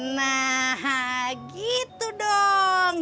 nah gitu dong